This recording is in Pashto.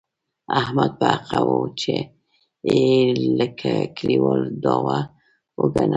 احمد په حقه و، ځکه یې له کلیوالو داوه و ګټله.